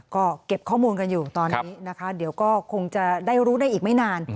ก็เก็บข้อมูลกันอยู่ตอนนี้นะคะเดี๋ยวก็คงจะได้รู้ได้อีกไม่นาน